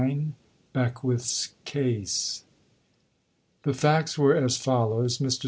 BECKWITH'S CASE The facts were as follows. Mr.